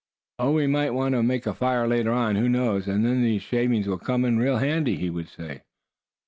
"Oh! we might want to make a fire later on, who knows; and then these shavings will come in real handy," he would say.